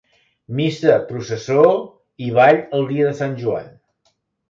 Missa, processó i ball el dia de Sant Joan.